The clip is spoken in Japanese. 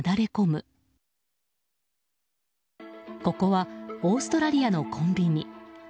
ここはオーストラリアのコンビニ。